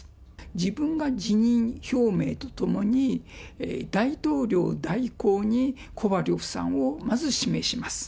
自分が辞任表明とともに、大統領代行にコバリョフさんをまず指名します。